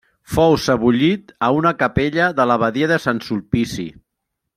Fou sebollit a una capella de l'abadia de Sant Sulpici.